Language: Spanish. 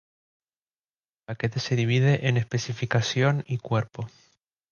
El paquete se divide en especificación y cuerpo.